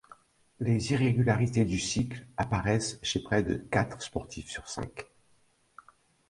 Les irrégularités du cycle apparaissent chez près de quatre sportives sur cinq.